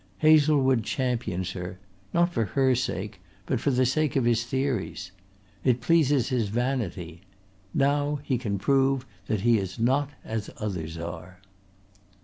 Hazlewood champions her not for her sake, but for the sake of his theories. It pleases his vanity. Now he can prove that he is not as others are."